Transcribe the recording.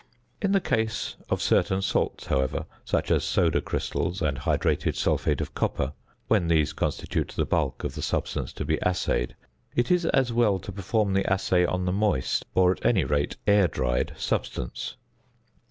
In the case of certain salts, however, such as soda crystals and hydrated sulphate of copper (when these constitute the bulk of the substance to be assayed), it is as well to perform the assay on the moist, or at any rate air dried, substance.